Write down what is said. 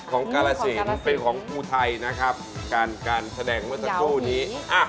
ของกล้าศิลป์เป็นของครูไทยนะครับการแสดงเมื่อสักครู่นี้